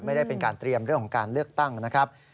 ไม่ได้เป็นการเตรียมเรื่องของการเลือกตั้งนะครับ